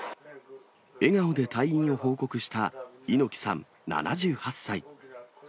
笑顔で退院を報告した猪木さん７８歳。